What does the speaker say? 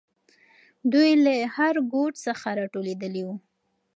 دوی له هر ګوټ څخه راټولېدلې وو.